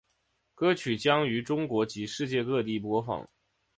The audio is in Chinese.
歌曲将于中国及世界各地播放。